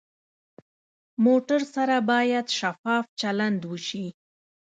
موټر سره باید شفاف چلند وشي.